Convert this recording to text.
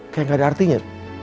kayak gak ada artinya